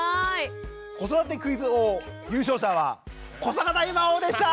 子育てクイズ王優勝者は古坂大魔王でした！